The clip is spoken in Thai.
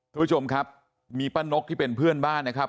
ทุกผู้ชมครับมีป้านกที่เป็นเพื่อนบ้านนะครับ